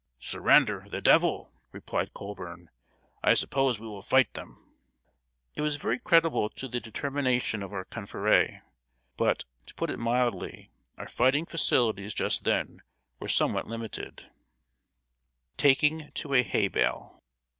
"Surrender the devil!" replied Colburn. "I suppose we will fight them!" It was very creditable to the determination of our confrère; but, to put it mildly, our fighting facilities just then were somewhat limited. [Sidenote: TAKING TO A HAY BALE.